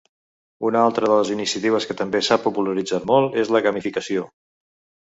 Una altra de les iniciatives que també s’ha popularitzat molt és la gamificació.